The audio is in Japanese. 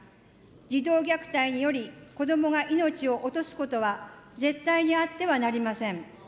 児童虐待により、こどもが命を落とすことは、絶対にあってはなりません。